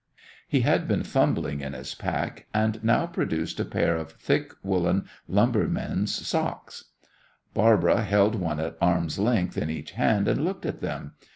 He had been fumbling in his pack, and now produced a pair of thick woollen lumberman's socks. Barbara held one at arm's length in each hand, and looked at them.